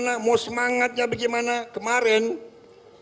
akan menyelesaikan sebilangan